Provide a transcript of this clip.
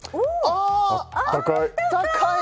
あったかい！